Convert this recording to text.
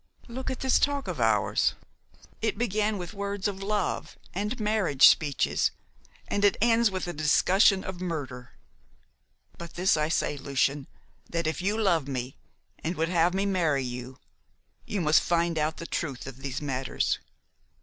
Look at this talk of ours it began with words of love and marriage speeches, and it ends with a discussion of murder. But this I say, Lucian, that if you love me, and would have me marry you, you must find out the truth of these matters.